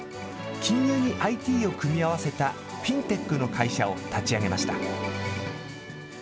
金融にＩＴを組み合わせたフィンテックの会社を立ち上げました。